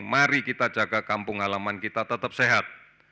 mari kita jaga kampung halaman kita tetap sehat